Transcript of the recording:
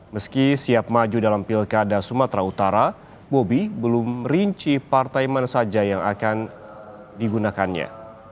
meski siap maju dalam pilkada sumatera utara bobi belum rinci partai mana saja yang akan digunakannya